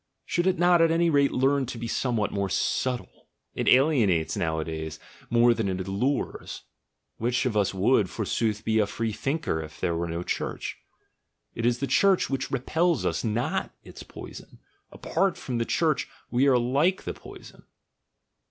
Should it not at any rate learn to be somewhat more subtle? It alienates nowadays, more than it allures. Which of us would, for sooth, be a freethinker if there were no Church? It is the Church which repels us, not its poison — apart from the Church we like the poison."